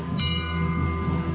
tapi hari ini sudah sangat